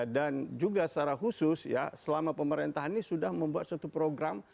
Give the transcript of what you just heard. dan juga secara khusus selama pemerintahan ini sudah membuat suatu program